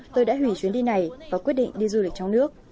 tôi đã hủy chuyến đi này và quyết định đi du lịch trong nước